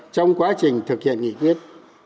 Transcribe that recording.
trong quá trình thực hiện nghị quyết